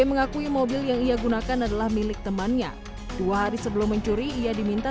mengakui mobil yang ia gunakan adalah milik temannya dua hari sebelum mencuri ia diminta